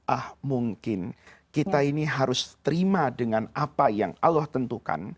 ah mungkin kita ini harus terima dengan apa yang allah tentukan